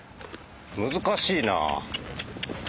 難しいな。